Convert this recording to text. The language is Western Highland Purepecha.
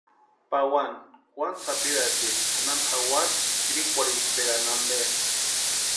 Pawani wani sapirhatiecha chʼanani jawati jirikwarhitsperani ampe.